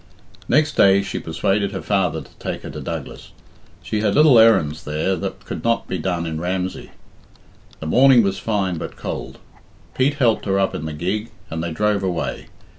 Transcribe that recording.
Next day she persuaded her father to take her to Douglas. She had little errands there that could not be done in Ramsey. The morning was fine but cold. Pete helped her up in the gig, and they drove away.